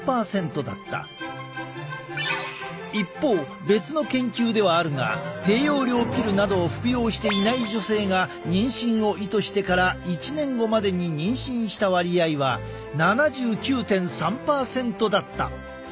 一方別の研究ではあるが低用量ピルなどを服用していない女性が妊娠を意図してから１年後までに妊娠した割合は７９．３％だった。